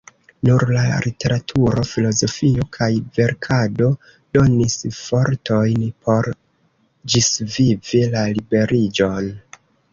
Nur la literaturo, filozofio kaj verkado donis fortojn por ĝisvivi la liberiĝon.